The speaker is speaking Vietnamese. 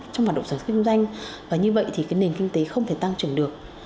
trong hoạt động sở thương danh và như vậy thì nền kinh tế không thể tăng trưởng được